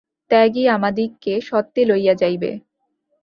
ত্যাগই আমাদিগকে সত্যে লইয়া যাইবে।